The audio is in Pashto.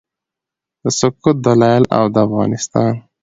د سقوط دلایل او د افغانستان